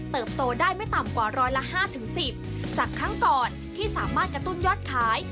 โตได้ไม่ต่ำกว่าร้อยละ๕๑๐จากครั้งก่อนที่สามารถกระตุ้นยอดขาย